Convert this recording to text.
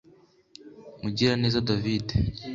Mugiraneza David